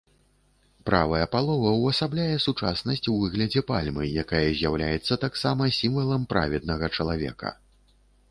Правая палова ўвасабляе сучаснасць у выглядзе пальмы, якая з'яўляецца таксама сімвалам праведнага чалавека.